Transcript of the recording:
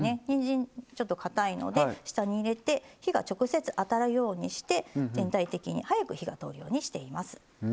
にんじん、ちょっとかたいので下に入れて火が直接、当たるようにして全体的に早く火が通るようにしています。